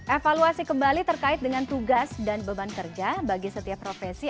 evaluasi kembali terkait dengan tugas dan beban kerja bagi setiap profesi